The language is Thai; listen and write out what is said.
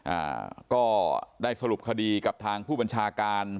อ่าก็ได้สรุปคดีกับทางผู้บัญชาการ